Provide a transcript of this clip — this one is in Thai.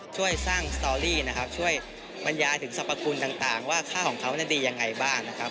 ช่วยสร้างสตอรี่นะครับช่วยบรรยายถึงสรรพคุณต่างว่าค่าของเขาดียังไงบ้างนะครับ